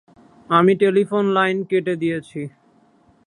আমি telephone line কেটে দিয়েছি।